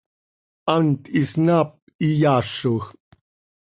Hant isnaap iyaazoj.